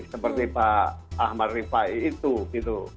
seperti pak ahmad rifai itu gitu